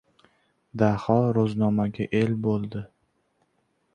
Daho ro‘znomaga el bo‘ldi.